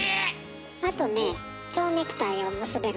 あとねちょうネクタイを結べる。